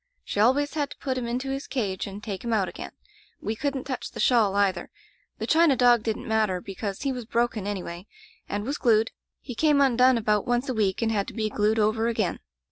She always had to put him into his cage and take him out again. We couldn't touch the shawl, either. The china dog didn't matter, because he was broken, anyway, and was glued. He came undone about once a week and had to be glued over again.